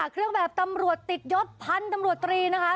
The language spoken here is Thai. คุณแบบตำรวจติดยทท์พันส์ตำรวจตรีนะคะ